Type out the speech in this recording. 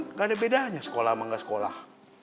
nggak ada bedanya sekolah sama nggak sekolah